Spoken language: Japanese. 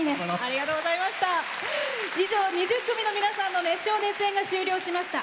以上２０組の皆さんの熱唱・熱演が終了しました。